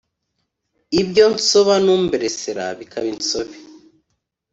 ibyo nsobanumbersra bikaba insobe